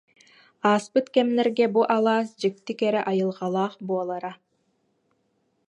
Ааспыт кэмнэргэ бу алаас дьикти кэрэ айылҕалаах буолара